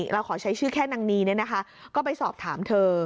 เราขอใช้ชื่อแค่นางนีก็ไปสอบถามเธอ